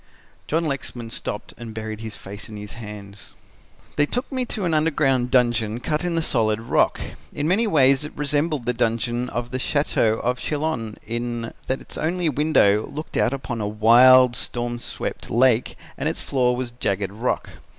John Lexman stopped and buried his face in his hands. "They took me to an underground dungeon cut in the solid rock. In many ways it resembled the dungeon of the Chateau of Chillon, in that its only window looked out upon a wild, storm swept lake and its floor was jagged rock.